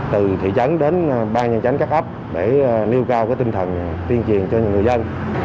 từ thị trấn đến ban nhân tránh các ấp để nêu cao tinh thần tuyên truyền cho người dân